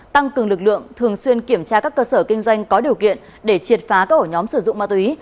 tăng cường lực lượng thường xuyên kiểm tra các cơ sở kinh doanh có điều kiện để triệt phá các ổ nhóm sử dụng ma túy